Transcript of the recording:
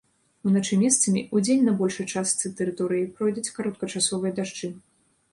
Уначы месцамі, удзень на большай частцы тэрыторыі пройдуць кароткачасовыя дажджы.